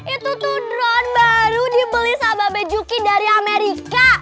itu tuh drone baru dibeli sama bajuki dari amerika